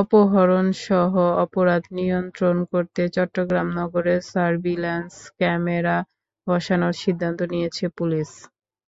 অপহরণসহ অপরাধ নিয়ন্ত্রণ করতে চট্টগ্রাম নগরে সার্ভিল্যান্স ক্যামেরা বসানোর সিদ্ধান্ত নিয়েছে পুলিশ।